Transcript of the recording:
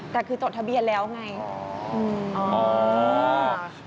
แต่คือจดทะเบียนแล้วไง